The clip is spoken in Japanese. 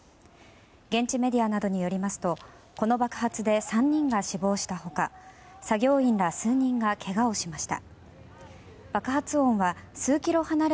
現地メディアなどによりますとこの爆発で３人が死亡した他作業員ら数人がけがをしました。